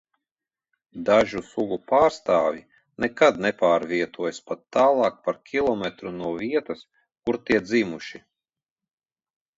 Dažu sugu pārstāvji nekad nepārvietojas pat tālāk par kilometru no vietas, kur tie dzimuši.